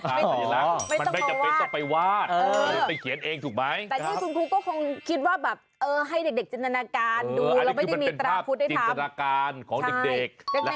อันนั้นจดหมายส่วนตัว